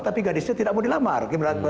tapi gadisnya tidak mau dilamar